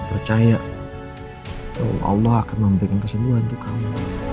percaya bahwa allah akan memberikan kesembuhan untuk kamu